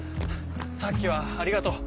さっきはありがとう。